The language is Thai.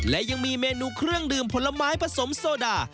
และยังมีเมนูเครื่องดื่มผลไม้ผสมโซดา